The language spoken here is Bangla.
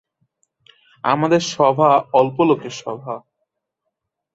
আমাদের সভা অল্প লোকের সভা।